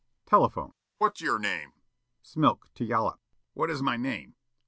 Telephone: "What's yer name?" Smilk, to Yollop: "What is my name?"